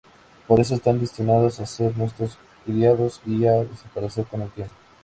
Por eso están destinados a ser nuestros criados y a desaparecer con el tiempo.